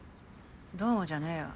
「どうも」じゃねぇよ。